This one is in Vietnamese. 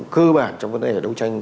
cơ bản trong vấn đề đấu tranh